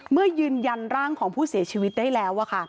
ยืนยันร่างของผู้เสียชีวิตได้แล้ว